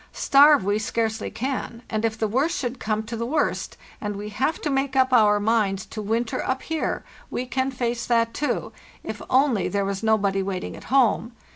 Starve we scarcely can; and if the worst should come to the worst, and we have to make up our minds to winter up here, we can face that too—if only there was nobody waiting at home.